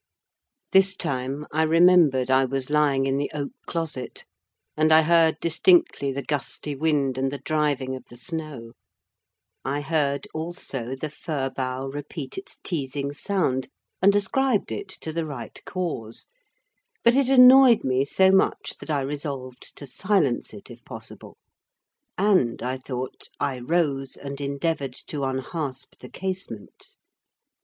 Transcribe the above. This time, I remembered I was lying in the oak closet, and I heard distinctly the gusty wind, and the driving of the snow; I heard, also, the fir bough repeat its teasing sound, and ascribed it to the right cause: but it annoyed me so much, that I resolved to silence it, if possible; and, I thought, I rose and endeavoured to unhasp the casement.